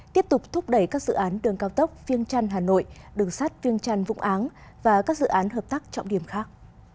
tiếp tục thúc đẩy các dự án đường cao tốc phiêng trăn hà nội đường sát viêng trăn vũng áng và các dự án hợp tác trọng điểm khác